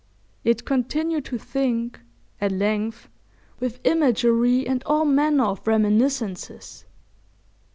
It continued to think, at length, with imagery and all manner of reminiscences.